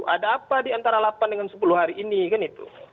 ada apa di antara delapan dengan sepuluh hari ini